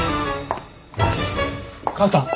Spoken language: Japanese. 母さん！